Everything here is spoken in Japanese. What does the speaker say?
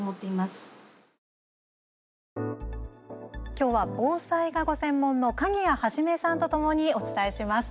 きょうは防災がご専門の鍵屋一さんとともにお伝えします。